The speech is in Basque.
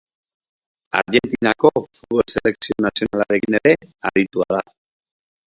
Argentinako futbol selekzio nazionalarekin ere aritua da.